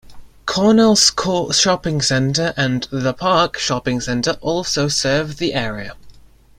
Cornelscourt shopping centre and "The Park" shopping centre also serve the area.